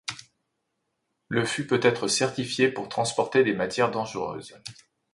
Le fût peut être certifié pour transporter des matières dangereuses.